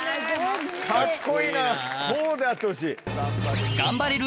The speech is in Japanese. カッコいいなこうであってほしい。